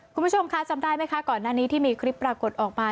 คุณผู้ชมคะจำได้ไหมคะก่อนหน้านี้ที่มีคลิปปรากฏออกมา